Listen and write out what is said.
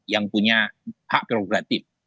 yang punya hak prerogatif